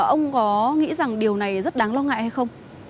ông có nghĩ rằng điều này rất đáng lo ngại hay không